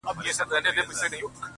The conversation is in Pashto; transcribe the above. هره ورځ انتظار _ هره شپه انتظار _